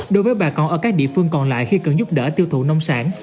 đối với bà con ở các địa phương còn lại khi cần giúp đỡ tiêu thụ nông sản